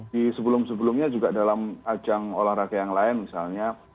di sebelum sebelumnya juga dalam ajang olahraga yang lain misalnya